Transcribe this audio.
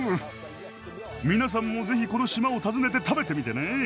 皆さんもぜひこの島を訪ねて食べてみてね。